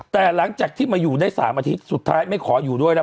แต่หลังจากที่มาอยู่ได้๓อาทิตย์สุดท้ายไม่ขออยู่ด้วยแล้ว